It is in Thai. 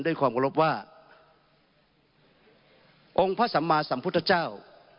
ด้วยความเคารพว่าองค์พระสัมมาสัมพุทธเจ้า